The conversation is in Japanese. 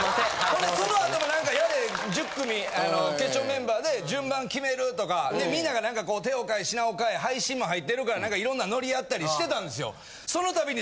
ほんでそのあともやれ１０組決勝メンバーで順番決めるとかみんなが何かこう手を変え品を変え配信も入ってるから色んなノリやったりしてたんですよ。